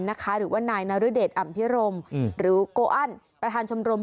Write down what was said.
หรือว่านายนรเดชอำพิรมหรือโกอันประธานชมรม